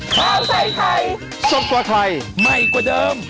พัดใส่ไข่ซดกว่าไข่ใหม่กว่าเดิม